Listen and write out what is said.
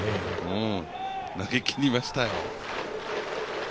投げきりましたよ。